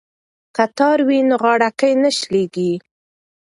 که تار وي نو غاړکۍ نه شلیږي.